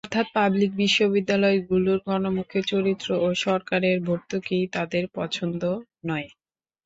অর্থাৎ পাবলিক বিশ্ববিদ্যালয়গুলোর গণমুখী চরিত্র ও সরকারের ভর্তুকি তাঁদের পছন্দ নয়।